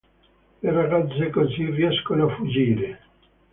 Le ragazze così riescono a fuggire.